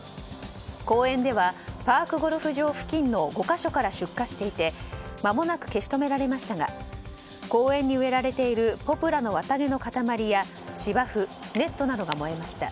公園ではパークゴルフ場付近の５か所から出火していてまもなく消し止められましたが公園に植えられているポプラの綿毛の固まりや芝生ネットなどが燃えました。